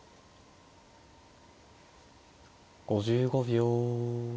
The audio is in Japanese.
５５秒。